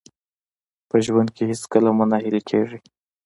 په ژوند کې هېڅکله مه ناهیلي کېږئ.